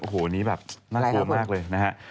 โอ้โหนี่แบบน่ากลัวมากเลยนะฮะ